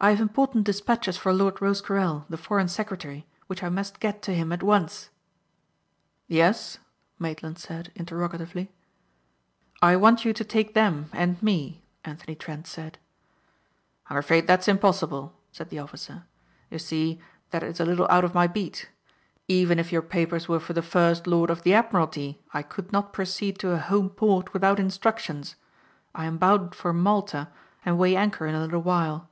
"I have important despatches for Lord Rosecarrel the Foreign Secretary which I must get to him at once." "Yes?" Maitland said interrogatively. "I want you to take them and me," Anthony Trent said. "I'm afraid that's impossible," said the officer. "You see that is a little out of my beat. Even if your papers were for the First Lord of the Admiralty I could not proceed to a home port without instructions. I am bound for Malta and weigh anchor in a little while."